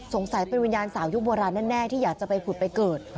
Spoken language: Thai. สงสัยเป็นวิญญาณสาวยุคโบราณแน่ที่อยากจะไปผุดไปเกิด